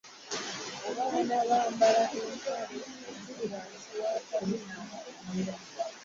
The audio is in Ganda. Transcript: Abaana bambala empale eziri wansi w'akabina.